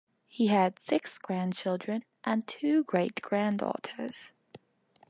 He had six grandchildren and two great-granddaughters.